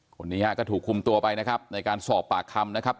คนนี้ก็ถูกคุมตัวไปในการสอบปากคำ